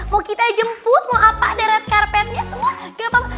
mau kita jemput mau apa ada red carpetnya semua gapapa